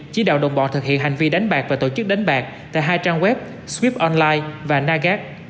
chỉ đạo đồng bọn thực hiện hành vi đánh bạc và tổ chức đánh bạc tại hai trang web swip online và nagac